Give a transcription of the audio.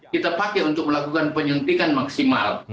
kita pakai untuk melakukan penyuntikan maksimal